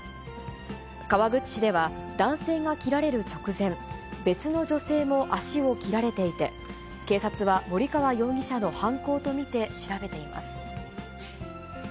川口市では、男性が切られる直前、別の女性も足を切られていて、警察は森川容疑者の犯行と見て調べています。